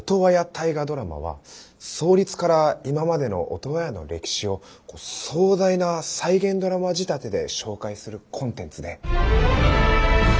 大河ドラマは創立から今までのオトワヤの歴史を壮大な再現ドラマ仕立てで紹介するコンテンツで。